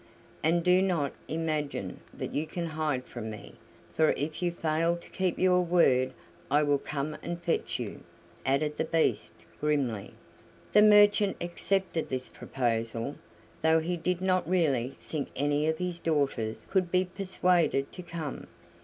And do not imagine that you can hide from me, for if you fail to keep your word I will come and fetch you!" added the Beast grimly. The merchant accepted this proposal, though he did not really think any of his daughters could be persuaded to come.